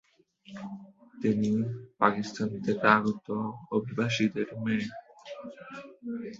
তিনি পাকিস্তান থেকে আগত অভিবাসীদের মেয়ে।